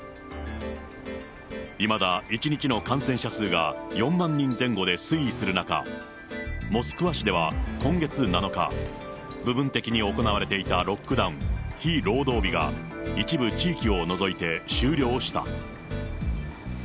いまだ１日の感染者数が４万人前後で推移する中、モスクワ市では今月７日、部分的に行われていたロックダウン、非労働日が、一部地域を除いて終了した。